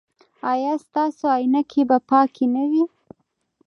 ایا ستاسو عینکې به پاکې نه وي؟